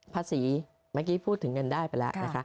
ภาษีเมื่อกี้พูดถึงเงินได้ไปแล้วนะคะ